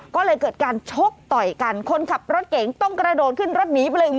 ก็เลยเกิดการชกต่อยกันคนขับรถเก๋งต้องกระโดดขึ้นรถหนีไปเลย